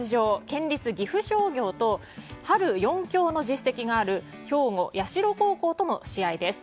県立岐阜商業と春４強の実績がある兵庫・社高校との試合です。